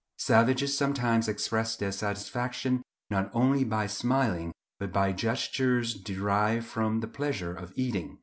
Savages sometimes express their satisfaction not only by smiling, but by gestures derived from the pleasure of eating.